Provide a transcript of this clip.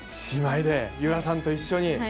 姉妹で由徠さんと一緒に。